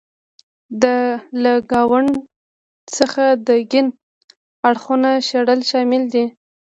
له ګوند څخه د کیڼ اړخو شړل شامل و.